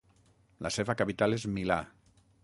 La seva capital és Milà.